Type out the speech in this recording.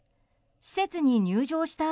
施設に入場した